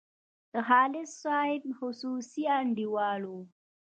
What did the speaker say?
د خالص صاحب خصوصي انډیوال وو.